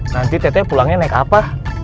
nanti tete pulangnya naik apa